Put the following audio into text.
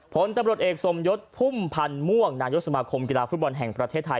ผลตำรวจเอกสมยศพุ่มพันธ์ม่วงนายกสมาคมกีฬาฟุตบอลแห่งประเทศไทย